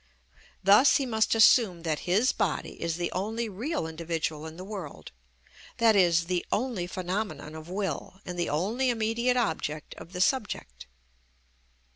Thus he must assume that his body is the only real individual in the world, i.e., the only phenomenon of will and the only immediate object of the subject.